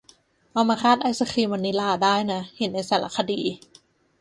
เอามาราดไอศกรีมวานิลาได้นะ เห็นในสารคดี